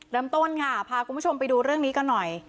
เริ่มต้นค่ะพาคุณผู้ชมไปดูเรื่องนี้กันหน่อย